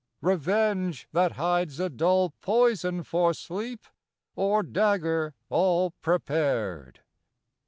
revenge, that hides a dull Poison for sleep, or dagger all prepared!